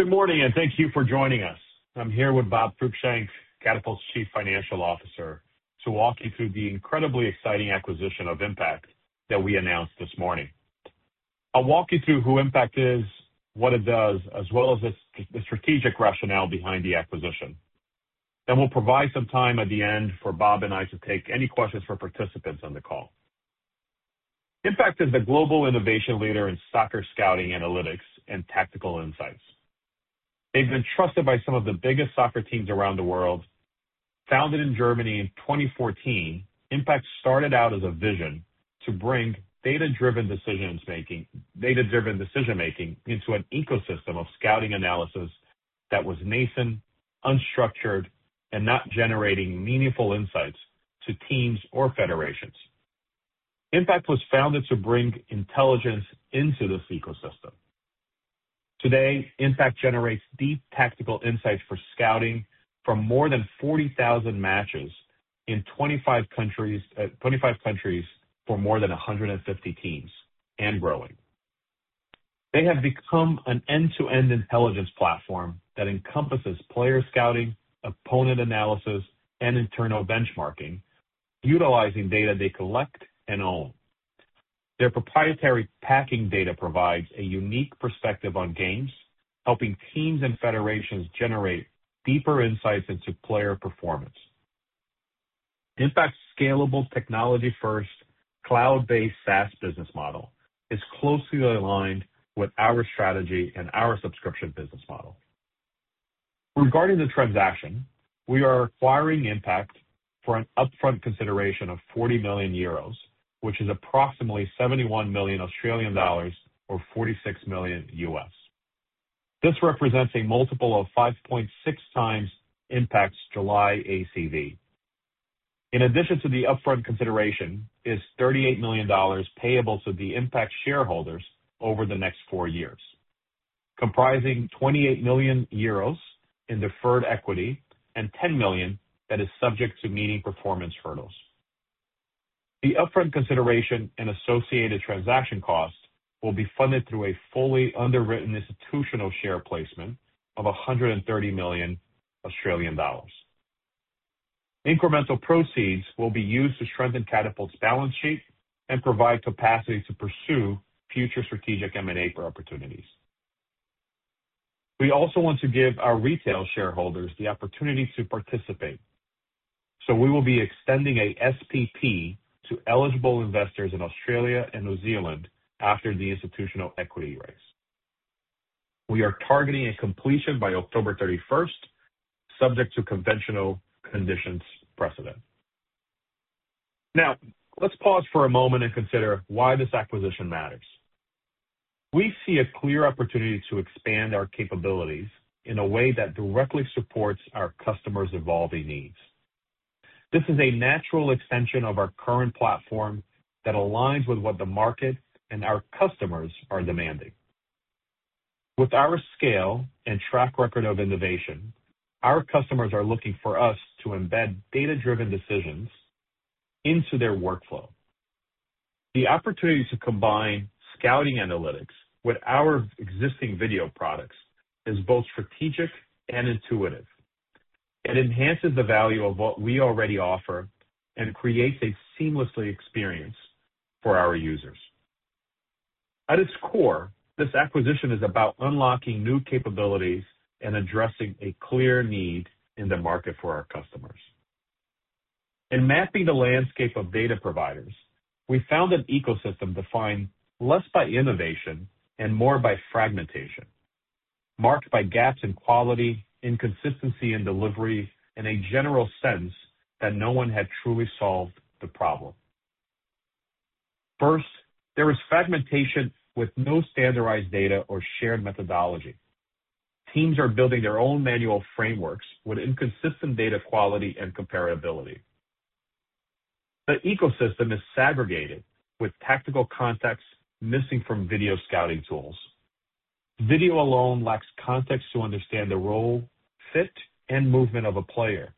Good morning, and thank you for joining us. I'm here with Bob Cruickshank, Catapult's Chief Financial Officer, to walk you through the incredibly exciting acquisition of Impect that we announced this morning. I'll walk you through who Impect is, what it does, as well as the strategic rationale behind the acquisition. And we'll provide some time at the end for Bob and I to take any questions for participants on the call. Impect is the global innovation leader in soccer scouting, analytics, and tactical insights. They've been trusted by some of the biggest soccer teams around the world. Founded in Germany in 2014, Impect started out as a vision to bring data-driven decision-making into an ecosystem of scouting analysis that was nascent, unstructured, and not generating meaningful insights to teams or federations. Impect was founded to bring intelligence into this ecosystem. Today, Impect generates deep tactical insights for scouting from more than 40,000 matches in 25 countries for more than 150 teams and growing. They have become an end-to-end intelligence platform that encompasses player scouting, opponent analysis, and internal benchmarking, utilizing data they collect and own. Their proprietary Packing data provides a unique perspective on games, helping teams and federations generate deeper insights into player performance. Impect's scalable, technology-first, cloud-based SaaS business model is closely aligned with our strategy and our subscription business model. Regarding the transaction, we are acquiring Impect for an upfront consideration of 40 million euros, which is approximately 71 million Australian dollars or $46 million. This represents a multiple of 5.6 times Impect's July ACV. In addition to the upfront consideration, $38 million is payable to the Impect shareholders over the next four years, comprising 28 million euros in deferred equity and $10 million that is subject to meeting performance hurdles. The upfront consideration and associated transaction cost will be funded through a fully underwritten institutional share placement of 130 million Australian dollars. Incremental proceeds will be used to strengthen Catapult's balance sheet and provide capacity to pursue future strategic M&A opportunities. We also want to give our retail shareholders the opportunity to participate, so we will be extending a SPP to eligible investors in Australia and New Zealand after the institutional equity raise. We are targeting a completion by October 31st, subject to conventional conditions precedent. Now, let's pause for a moment and consider why this acquisition matters. We see a clear opportunity to expand our capabilities in a way that directly supports our customers' evolving needs. This is a natural extension of our current platform that aligns with what the market and our customers are demanding. With our scale and track record of innovation, our customers are looking for us to embed data-driven decisions into their workflow. The opportunity to combine scouting analytics with our existing video products is both strategic and intuitive. It enhances the value of what we already offer and creates a seamless experience for our users. At its core, this acquisition is about unlocking new capabilities and addressing a clear need in the market for our customers. In mapping the landscape of data providers, we found an ecosystem defined less by innovation and more by fragmentation, marked by gaps in quality, inconsistency in delivery, and a general sense that no one had truly solved the problem. First, there is fragmentation with no standardized data or shared methodology. Teams are building their own manual frameworks with inconsistent data quality and comparability. The ecosystem is segregated, with tactical context missing from video scouting tools. Video alone lacks context to understand the role, fit, and movement of a player,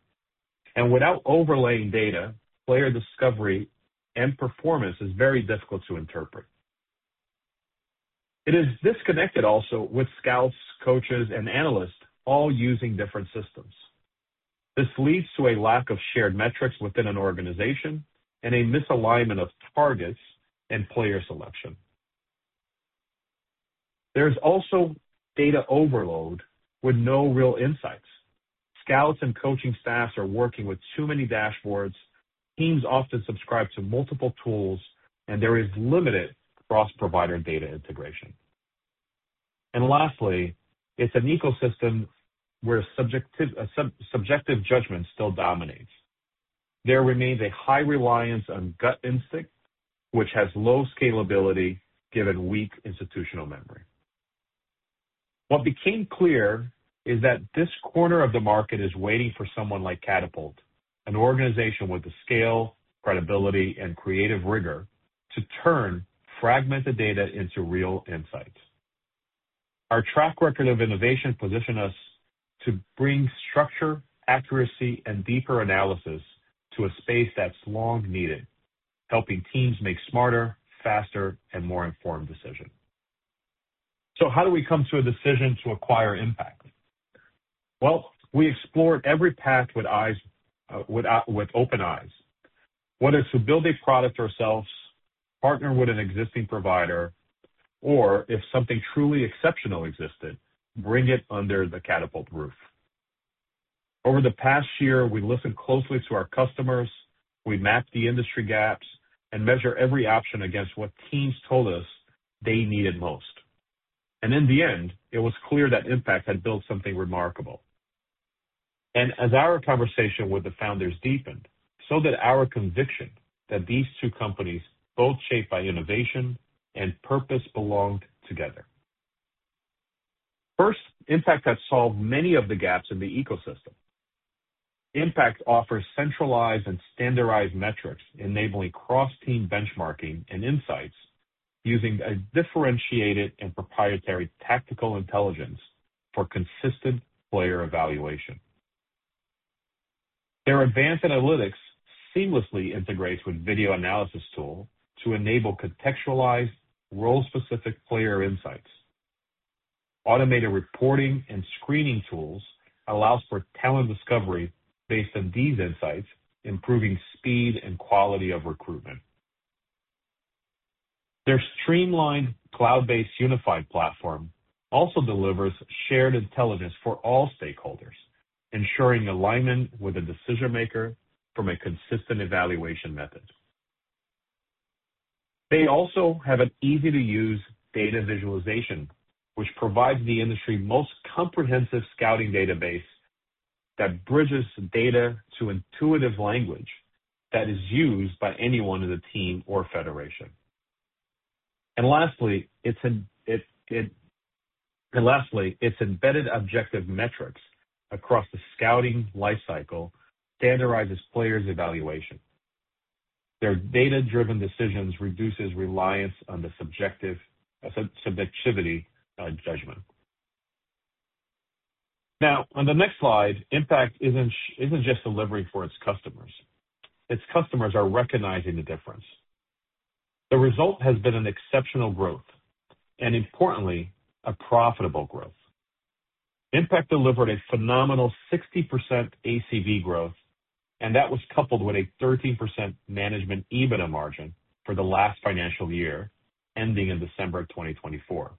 and without overlaying data, player discovery and performance is very difficult to interpret. It is disconnected also with scouts, coaches, and analysts, all using different systems. This leads to a lack of shared metrics within an organization and a misalignment of targets and player selection. There is also data overload with no real insights. Scouts and coaching staffs are working with too many dashboards. Teams often subscribe to multiple tools, and there is limited cross-provider data integration. And lastly, it's an ecosystem where subjective judgment still dominates. There remains a high reliance on gut instinct, which has low scalability given weak institutional memory. What became clear is that this corner of the market is waiting for someone like Catapult, an organization with the scale, credibility, and creative rigor to turn fragmented data into real insights. Our track record of innovation positioned us to bring structure, accuracy, and deeper analysis to a space that's long needed, helping teams make smarter, faster, and more informed decisions. So how do we come to a decision to acquire Impect? We explored every path with open eyes, whether to build a product ourselves, partner with an existing provider, or if something truly exceptional existed, bring it under the Catapult roof. Over the past year, we listened closely to our customers, we mapped the industry gaps, and measured every option against what teams told us they needed most. In the end, it was clear that Impect had built something remarkable. As our conversation with the founders deepened, so did our conviction that these two companies, both shaped by innovation and purpose, belonged together. First, Impect has solved many of the gaps in the ecosystem. Impect offers centralized and standardized metrics, enabling cross-team benchmarking and insights using a differentiated and proprietary tactical intelligence for consistent player evaluation. Their advanced analytics seamlessly integrate with video analysis tools to enable contextualized, role-specific player insights. Automated reporting and screening tools allow for talent discovery based on these insights, improving speed and quality of recruitment. Their streamlined cloud-based unified platform also delivers shared intelligence for all stakeholders, ensuring alignment with the decision-maker from a consistent evaluation method. They also have an easy-to-use data visualization, which provides the industry's most comprehensive scouting database that bridges data to intuitive language that is used by anyone in the team or federation. And lastly, it's embedded objective metrics across the scouting lifecycle that standardizes players' evaluation. Their data-driven decisions reduce reliance on subjectivity judgment. Now, on the next slide, Impect isn't just delivering for its customers. Its customers are recognizing the difference. The result has been an exceptional growth and, importantly, a profitable growth. Impect delivered a phenomenal 60% ACV growth, and that was coupled with a 13% Management EBITDA margin for the last financial year ending in December 2024.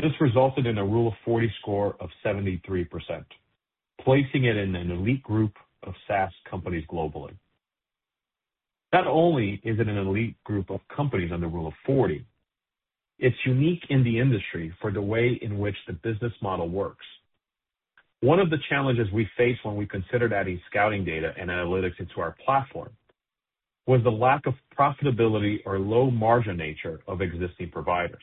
This resulted in a Rule of 40 score of 73%, placing it in an elite group of SaaS companies globally. Not only is it an elite group of companies on the Rule of 40, it's unique in the industry for the way in which the business model works. One of the challenges we faced when we considered adding scouting data and analytics into our platform was the lack of profitability or low-margin nature of existing providers.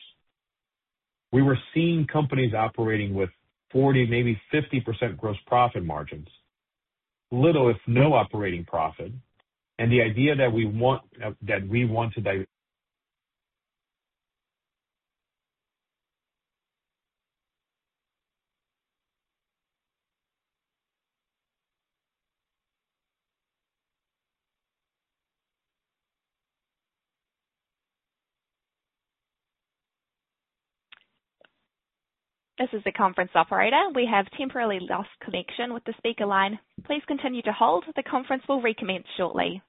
We were seeing companies operating with 40, maybe 50% gross profit margins, little or no operating profit, and the idea that we want to. This is the conference operator. We have temporarily lost connection with the speaker line. Please continue to hold. The conference will recommence shortly.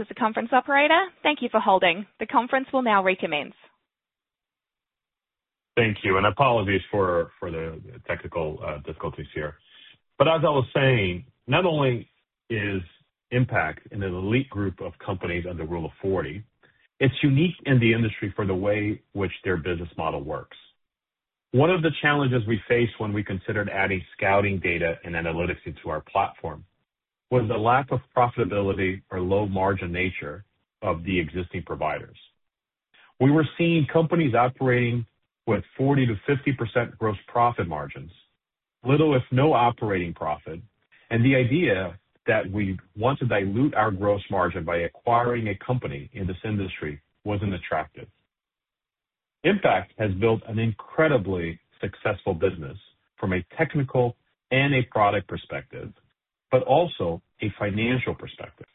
This is the conference operator. Thank you for holding. The conference will now recommence. Thank you and apologies for the technical difficulties here, but as I was saying, not only is Impect an elite group of companies on the Rule of 40, it's unique in the industry for the way in which their business model works. One of the challenges we faced when we considered adding scouting data and analytics into our platform was the lack of profitability or low-margin nature of the existing providers. We were seeing companies operating with 40% to 50% gross profit margins, little, if any, operating profit, and the idea that we want to dilute our gross margin by acquiring a company in this industry wasn't attractive. Impect has built an incredibly successful business from a technical and a product perspective, but also a financial perspective.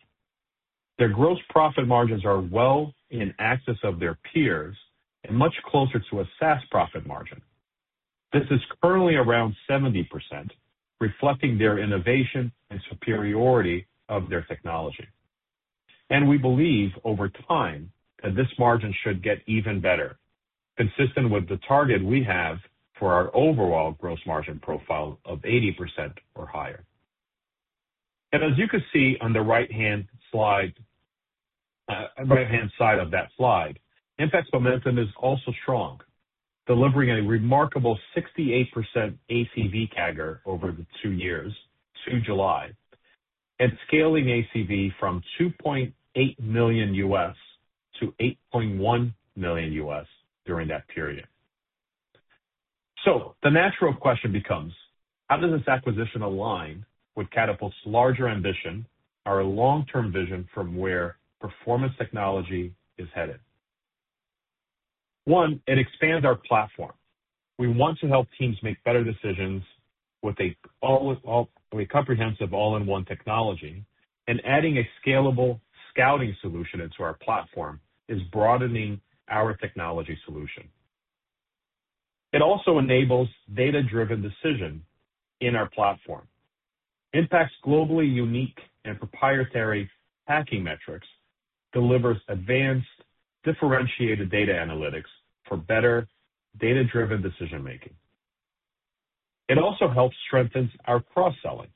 Their gross profit margins are well in excess of their peers and much closer to a SaaS profit margin. This is currently around 70%, reflecting their innovation and superiority of their technology. And we believe over time that this margin should get even better, consistent with the target we have for our overall gross margin profile of 80% or higher. And as you can see on the right-hand side of that slide, Impect's momentum is also strong, delivering a remarkable 68% ACV CAGR over the two years to July, and scaling ACV from $2.8 million to $8.1 million during that period. So the natural question becomes, how does this acquisition align with Catapult's larger ambition, our long-term vision from where Performance Technology is headed? One, it expands our platform. We want to help teams make better decisions with a comprehensive all-in-one technology, and adding a scalable scouting solution into our platform is broadening our technology solution. It also enables data-driven decision in our platform. Impect's globally unique and proprietary Packing metrics deliver advanced differentiated data analytics for better data-driven decision-making. It also helps strengthen our cross-selling.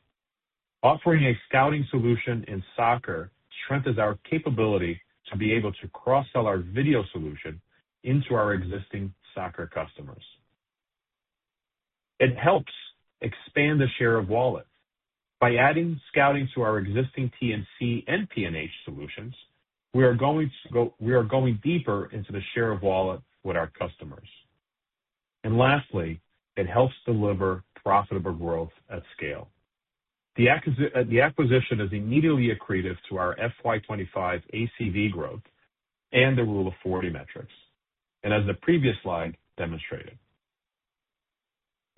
Offering a scouting solution in soccer strengthens our capability to be able to cross-sell our video solution into our existing soccer customers. It helps expand the share of wallet. By adding scouting to our existing T&C and P&H solutions, we are going deeper into the share of wallet with our customers. And lastly, it helps deliver profitable growth at scale. The acquisition is immediately accretive to our FY 2025 ACV growth and the Rule of 40 metrics, and as the previous slide demonstrated.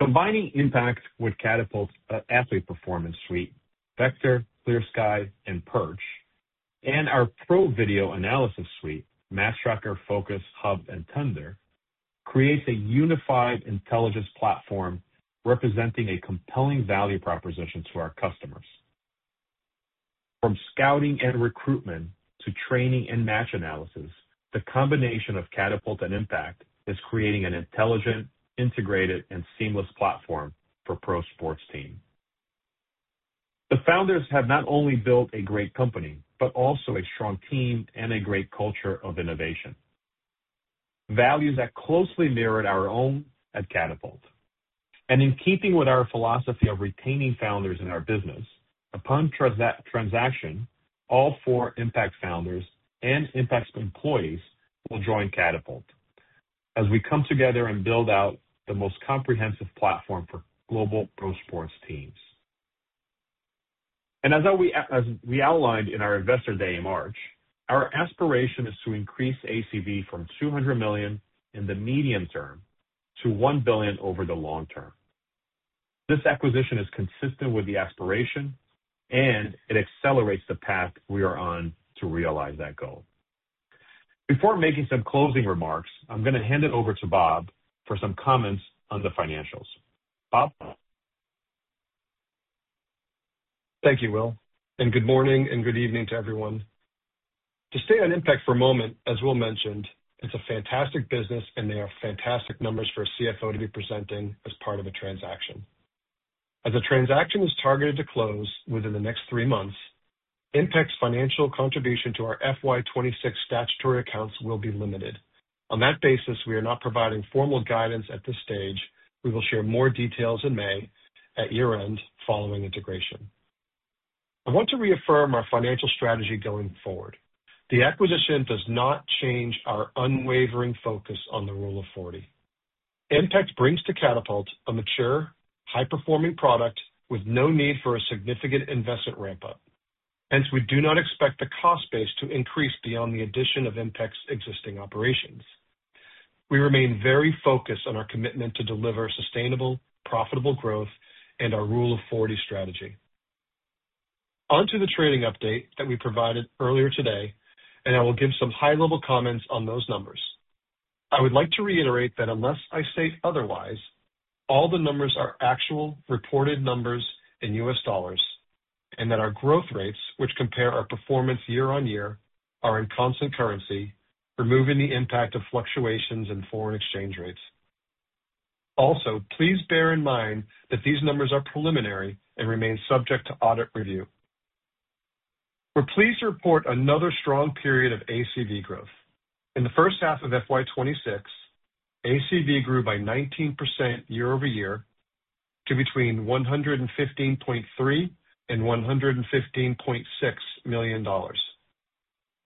Combining Impect with Catapult's Athlete Performance Suite, Vector, ClearSky, and Perch, and our Pro Video Analysis Suite, MatchTracker, Focus, Hub, and Thunder creates a unified intelligence platform representing a compelling value proposition to our customers. From scouting and recruitment to training and match analysis, the combination of Catapult and Impect is creating an intelligent, integrated, and seamless platform for pro sports team. The founders have not only built a great company, but also a strong team and a great culture of innovation, values that closely mirrored our own at Catapult, and in keeping with our philosophy of retaining founders in our business, upon transaction, all four Impect founders and Impect's employees will join Catapult as we come together and build out the most comprehensive platform for global pro sports teams, and as we outlined in our investor day in March, our aspiration is to increase ACV from 200 million in the medium term to one billion over the long term. This acquisition is consistent with the aspiration, and it accelerates the path we are on to realize that goal. Before making some closing remarks, I'm going to hand it over to Bob for some comments on the financials. Bob? Thank you, Will. And good morning and good evening to everyone. To stay on Impect for a moment, as Will mentioned, it's a fantastic business, and they have fantastic numbers for a CFO to be presenting as part of a transaction. As the transaction is targeted to close within the next three months, Impect's financial contribution to our FY 2026 statutory accounts will be limited. On that basis, we are not providing formal guidance at this stage. We will share more details in May at year-end following integration. I want to reaffirm our financial strategy going forward. The acquisition does not change our unwavering focus on the Rule of 40. Impect brings to Catapult a mature, high-performing product with no need for a significant investment ramp-up. Hence, we do not expect the cost base to increase beyond the addition of Impect's existing operations. We remain very focused on our commitment to deliver sustainable, profitable growth and our Rule of 40 strategy. Onto the trading update that we provided earlier today, and I will give some high-level comments on those numbers. I would like to reiterate that unless I state otherwise, all the numbers are actual reported numbers in U.S. dollars and that our growth rates, which compare our performance year-on-year, are in constant currency, removing the impact of fluctuations in foreign exchange rates. Also, please bear in mind that these numbers are preliminary and remain subject to audit review. We're pleased to report another strong period of ACV growth. In the first half of FY 2026, ACV grew by 19% year-over-year to between $115.3 million and $115.6 million.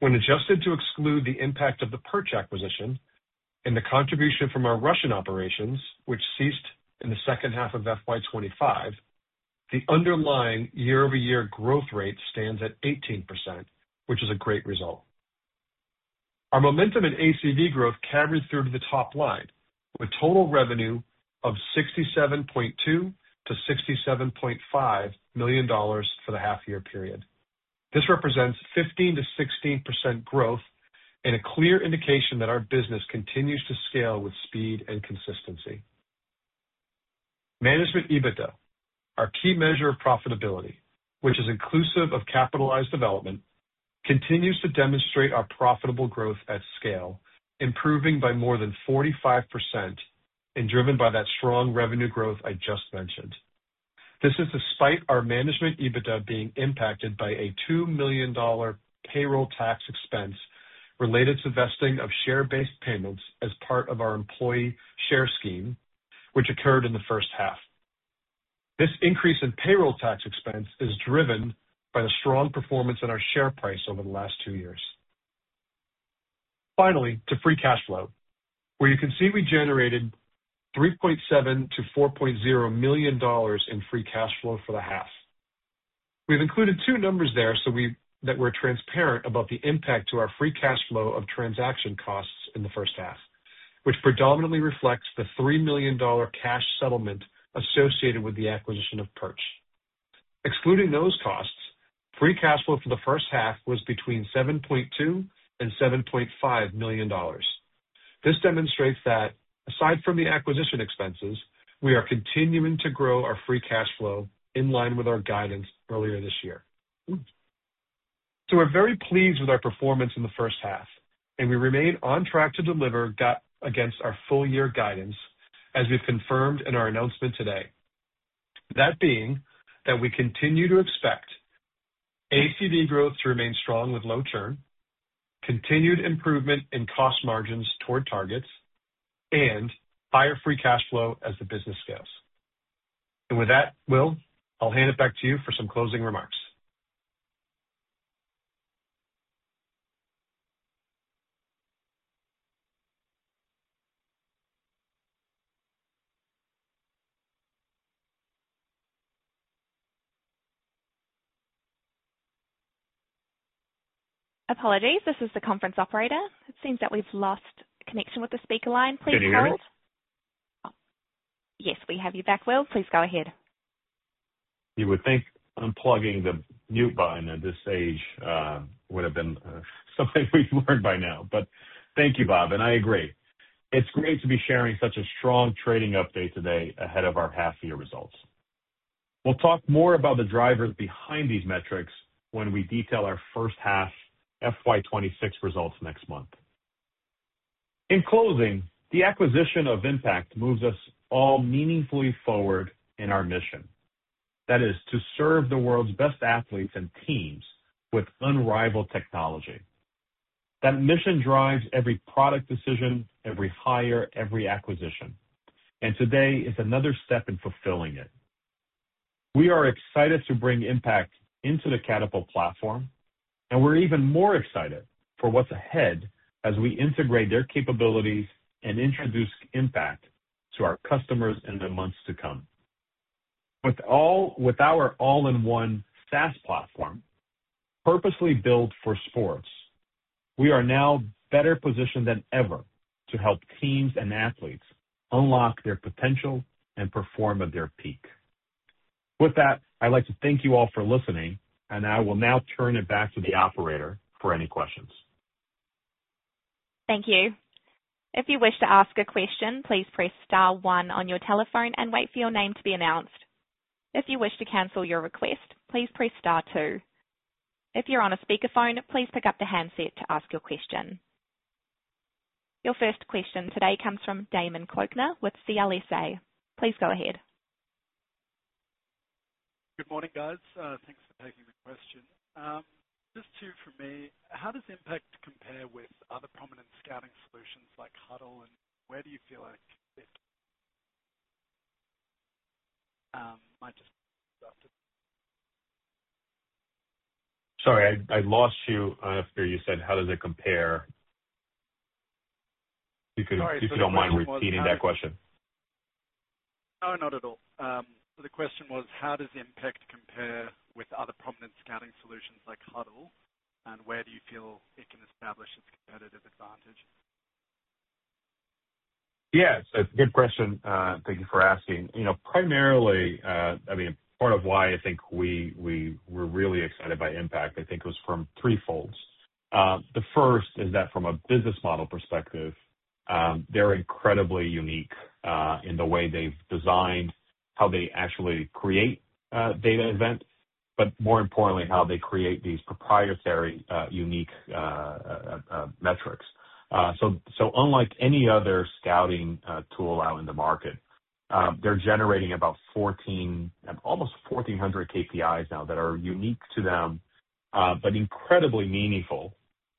When adjusted to exclude the impact of the Perch acquisition and the contribution from our Russian operations, which ceased in the second half of FY 2025, the underlying year-over-year growth rate stands at 18%, which is a great result. Our momentum in ACV growth carried through to the top line, with total revenue of $67.2 to $67.5 million for the half-year period. This represents 15% to 16% growth and a clear indication that our business continues to scale with speed and consistency. Management EBITDA, our key measure of profitability, which is inclusive of capitalized development, continues to demonstrate our profitable growth at scale, improving by more than 45% and driven by that strong revenue growth I just mentioned. This is despite our Management EBITDA being impacted by a $2 million payroll tax expense related to vesting of share-based payments as part of our employee share scheme, which occurred in the first half. This increase in payroll tax expense is driven by the strong performance in our share price over the last two years. Finally, to free cash flow, where you can see we generated $3.7 to $4.0 million in free cash flow for the half. We've included two numbers there so that we're transparent about the impact to our free cash flow of transaction costs in the first half, which predominantly reflects the $3 million cash settlement associated with the acquisition of Perch. Excluding those costs, free cash flow for the first half was between $7.2 and $7.5 million. This demonstrates that aside from the acquisition expenses, we are continuing to grow our free cash flow in line with our guidance earlier this year, so we're very pleased with our performance in the first half, and we remain on track to deliver against our full-year guidance, as we've confirmed in our announcement today. That being that we continue to expect ACV growth to remain strong with low churn, continued improvement in cost margins toward targets, and higher free cash flow as the business scales, and with that, Will, I'll hand it back to you for some closing remarks. Apologies. This is the conference operator. It seems that we've lost connection with the speaker line. Please hold. Can you hear me? Yes, we have you back, Will. Please go ahead. You would think unplugging the mute button at this stage would have been something we've learned by now. But thank you, Bob, and I agree. It's great to be sharing such a strong trading update today ahead of our half-year results. We'll talk more about the drivers behind these metrics when we detail our first half FY 2026 results next month. In closing, the acquisition of Impect moves us all meaningfully forward in our mission. That is to serve the world's best athletes and teams with unrivaled technology. That mission drives every product decision, every hire, every acquisition. And today is another step in fulfilling it. We are excited to bring Impect into the Catapult platform, and we're even more excited for what's ahead as we integrate their capabilities and introduce Impect to our customers in the months to come. With our all-in-one SaaS platform, purposely built for sports, we are now better positioned than ever to help teams and athletes unlock their potential and perform at their peak. With that, I'd like to thank you all for listening, and I will now turn it back to the operator for any questions. Thank you. If you wish to ask a question, please press star one on your telephone and wait for your name to be announced. If you wish to cancel your request, please press star two. If you're on a speakerphone, please pick up the handset to ask your question. Your first question today comes from Damon Patna with CLSA. Please go ahead. Good morning, guys. Thanks for taking the question. Just two from me. How does Impect compare with other prominent scouting solutions like Hudl, and where do you feel like it? Sorry, I lost you after you said, "How does it compare?" Would you mind repeating that question? Oh, not at all. The question was, how does Impect compare with other prominent scouting solutions like Hudl, and where do you feel it can establish its competitive advantage? Yeah, so it's a good question. Thank you for asking. Primarily, I mean, part of why I think we were really excited by Impect, I think, was from three folds. The first is that from a business model perspective, they're incredibly unique in the way they've designed how they actually create data events, but more importantly, how they create these proprietary, unique metrics. So unlike any other scouting tool out in the market, they're generating about almost 1,400 KPIs now that are unique to them, but incredibly meaningful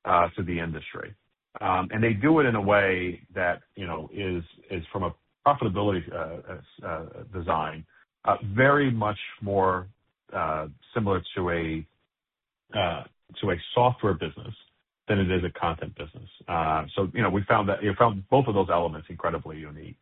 to the industry. And they do it in a way that is, from a profitability design, very much more similar to a software business than it is a content business. So we found both of those elements incredibly unique.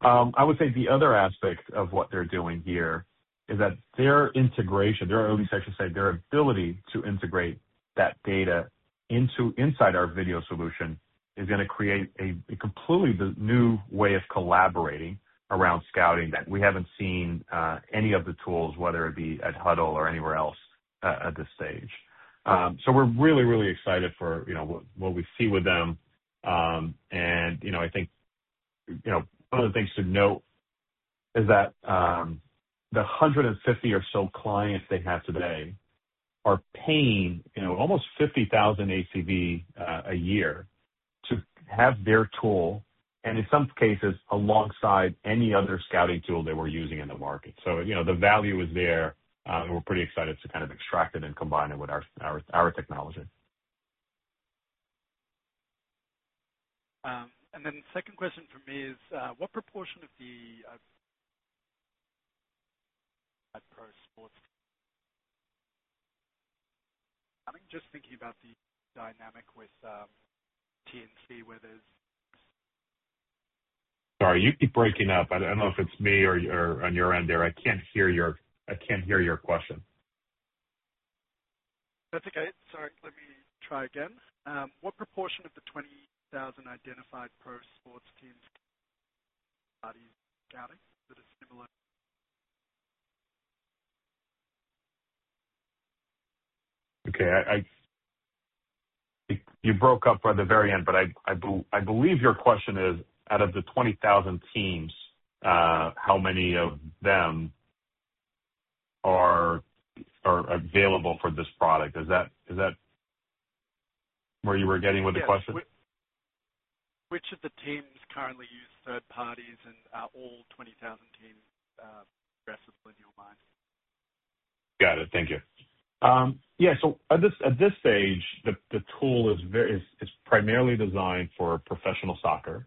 I would say the other aspect of what they're doing here is that their integration, or at least I should say their ability to integrate that data inside our video solution is going to create a completely new way of collaborating around scouting that we haven't seen any of the tools, whether it be at Hudl or anywhere else at this stage, so we're really, really excited for what we see with them, and I think one of the things to note is that the 150 or so clients they have today are paying almost 50,000 ACV a year to have their tool, and in some cases, alongside any other scouting tool they were using in the market, so the value is there, and we're pretty excited to kind of extract it and combine it with our technology. And then the second question for me is, what proportion of the Catapult Sports? I'm just thinking about the dynamic with T&C, where there's. Sorry, you keep breaking up. I don't know if it's me or on your end there. I can't hear your question. That's okay. Sorry, let me try again. What proportion of the 20,000 identified pro sports teams are scouting that are similar? Okay. You broke up at the very end, but I believe your question is, out of the 20,000 teams, how many of them are available for this product? Is that where you were getting with the question? Which of the teams currently use third parties and are all 20,000 teams progressive in your mind? Got it. Thank you. Yeah, so at this stage, the tool is primarily designed for professional soccer.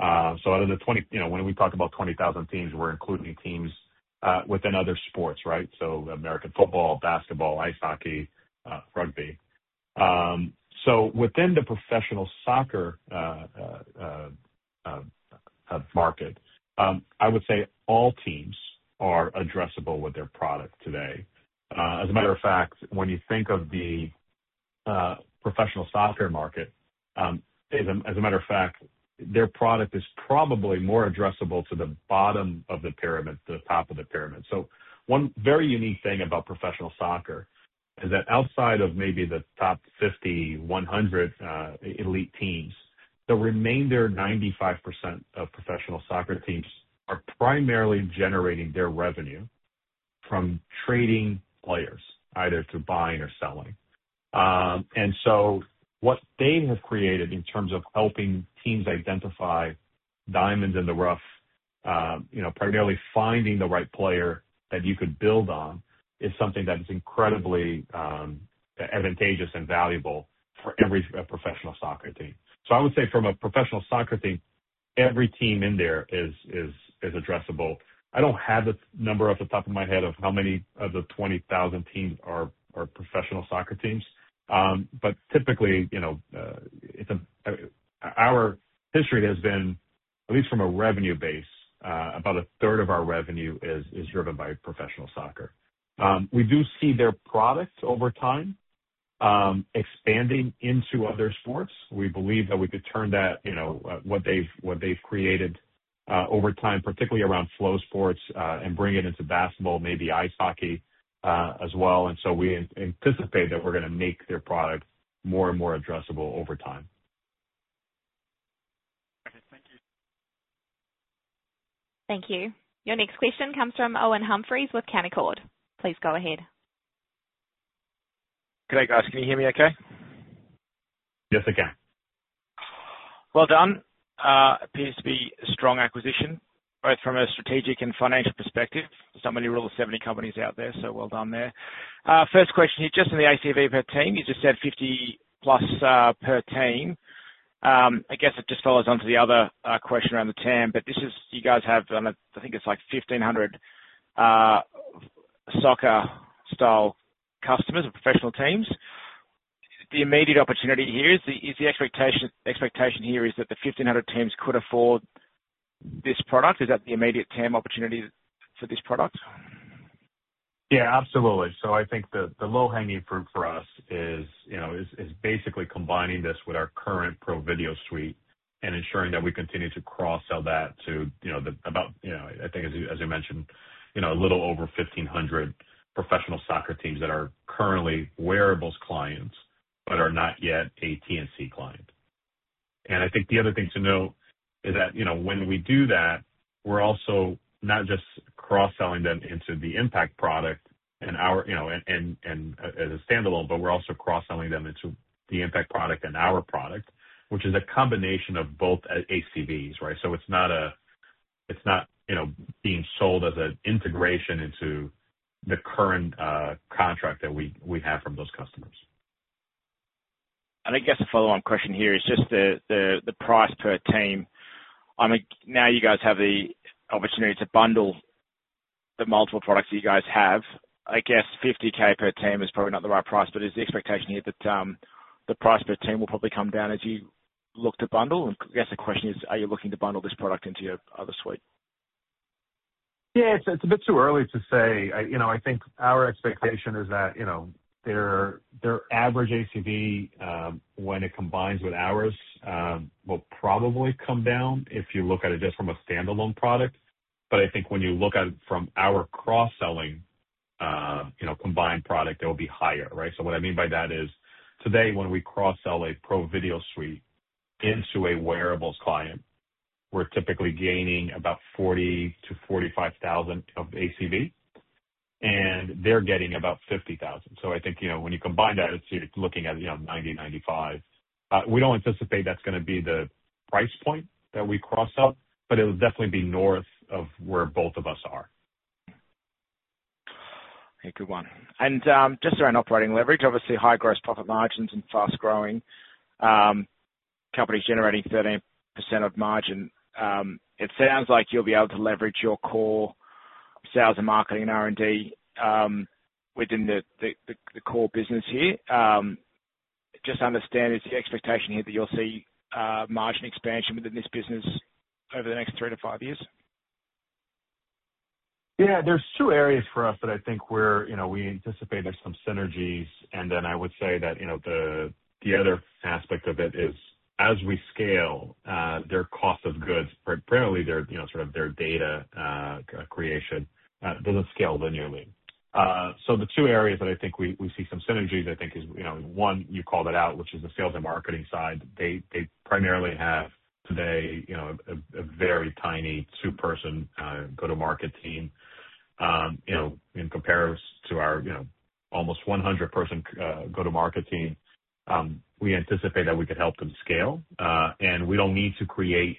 Out of the 20,000 teams when we talk about 20,000 teams, we're including teams within other sports, right? American football, basketball, ice hockey, rugby. Within the professional soccer market, I would say all teams are addressable with their product today. As a matter of fact when you think of the professional soccer market, as a matter of fact, their product is probably more addressable to the bottom of the pyramid, the top of the pyramid. One very unique thing about professional soccer is that outside of maybe the top 50, 100 elite teams, the remainder 95% of professional soccer teams are primarily generating their revenue from trading players, either through buying or selling. What they have created in terms of helping teams identify diamonds in the rough, primarily finding the right player that you could build on, is something that is incredibly advantageous and valuable for every professional soccer team. I would say from a professional soccer team, every team in there is addressable. I don't have the number off the top of my head of how many of the 20,000 teams are professional soccer teams, but typically, our history has been, at least from a revenue base, about a 1/3 of our revenue is driven by professional soccer. We do see their product over time expanding into other sports. We believe that we could turn what they've created over time, particularly around flow sports, and bring it into basketball, maybe ice hockey as well. And so we anticipate that we're going to make their product more and more addressable over time. Okay. Thank you. Thank you. Your next question comes from Owen Humphries with Canaccord. Please go ahead. Can I ask, can you hear me okay? Yes, I can. Well done. Appears to be a strong acquisition, both from a strategic and financial perspective. There's not many rules of 70 companies out there, so well done there. First question here, just on the ACV per team, you just said 50 plus per team. I guess it just follows on to the other question around the TAM, but you guys have, I think it's like 1,500 soccer-style customers or professional teams. The immediate opportunity here is the expectation here is that the 1,500 teams could afford this product. Is that the immediate TAM opportunity for this product? Yeah, absolutely. So I think the low-hanging fruit for us is basically combining this with our current pro video suite and ensuring that we continue to cross-sell that to about, I think, as you mentioned, a little over 1,500 professional soccer teams that are currently wearables clients but are not yet a T&C client. And I think the other thing to note is that when we do that, we're also not just cross-selling them into the Impect product and as a standalone, but we're also cross-selling them into the Impect product and our product, which is a combination of both ACVs, right? So it's not being sold as an integration into the current contract that we have from those customers. And I guess the follow-on question here is just the price per team. Now you guys have the opportunity to bundle the multiple products that you guys have. I guess 50-K per team is probably not the right price, but is the expectation here that the price per team will probably come down as you look to bundle? And I guess the question is, are you looking to bundle this product into your other suite? Yeah, it's a bit too early to say. I think our expectation is that their average ACV, when it combines with ours, will probably come down if you look at it just from a standalone product. But I think when you look at it from our cross-selling combined product, it will be higher, right? So what I mean by that is, today, when we cross-sell a pro video suite into a wearables client, we're typically gaining about $40,000 to $45,000 of ACV, and they're getting about $50,000. So I think when you combine that, it's looking at $90,000 to $95,000. We don't anticipate that's going to be the price point that we cross up, but it will definitely be north of where both of us are. Okay. Good one, and just around operating leverage, obviously, high gross profit margins and fast-growing companies generating 13% of margin. It sounds like you'll be able to leverage your core sales and marketing and R&D within the core business here. Just understand, is the expectation here that you'll see margin expansion within this business over the next three to five years? Yeah. There's two areas for us that I think we anticipate there's some synergies, and then I would say that the other aspect of it is, as we scale, their cost of goods, primarily sort of their data creation, doesn't scale linearly, so the two areas that I think we see some synergies, I think, is one, you called it out, which is the sales and marketing side. They primarily have today a very tiny two-person go-to-market team. In comparison to our almost 100-person go-to-market team, we anticipate that we could help them scale, and we don't need to create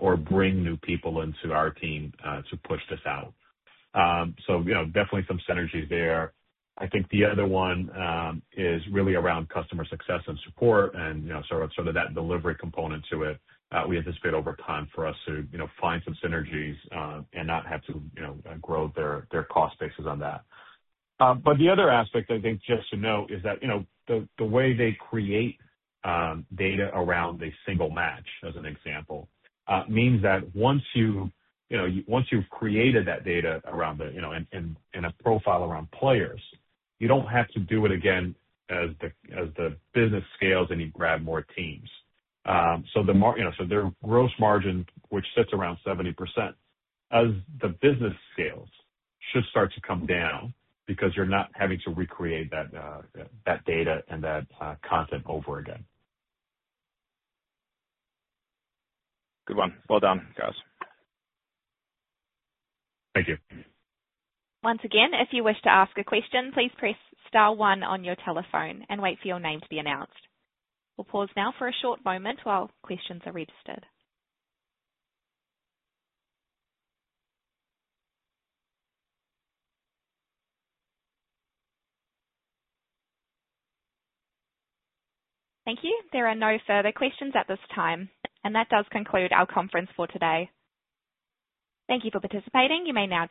or bring new people into our team to push this out, so definitely some synergies there. I think the other one is really around customer success and support and sort of that delivery component to it. We anticipate over time for us to find some synergies and not have to grow their cost basis on that. But the other aspect, I think, just to note is that the way they create data around a single match, as an example, means that once you've created that data around and a profile around players, you don't have to do it again as the business scales and you grab more teams. So their gross margin, which sits around 70%, as the business scales, should start to come down because you're not having to recreate that data and that content over again. Good one. Well done, guys. Thank you. Once again, if you wish to ask a question, please press star one on your telephone and wait for your name to be announced. We'll pause now for a short moment while questions are registered. Thank you. There are no further questions at this time, and that does conclude our conference for today. Thank you for participating. You may now.